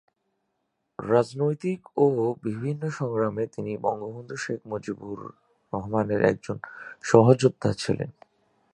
রাজনৈতিক ও বিভিন্ন সংগ্রামে তিনি বঙ্গবন্ধু শেখ মুজিবুর রহমানের একজন সহযোদ্ধা ছিলেন।